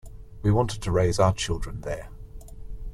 We wanted to raise our children there.